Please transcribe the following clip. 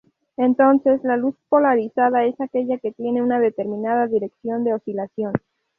Entonces, la luz polarizada es aquella que tiene una determinada dirección de oscilación.